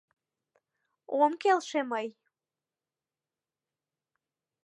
— Ом келше мый.